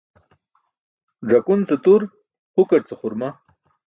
Ẓakun ce tur, hukar ce xurma.